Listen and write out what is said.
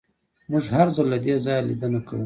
موږ هر ځل له دې ځایه لیدنه کوو